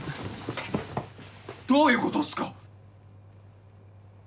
どういうことっすか！